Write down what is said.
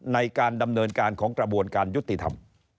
ในการดำเนินการของกระบวนการยุติธรรม